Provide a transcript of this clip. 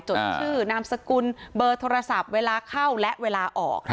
จดชื่อนามสกุลเบอร์โทรศัพท์เวลาเข้าและเวลาออก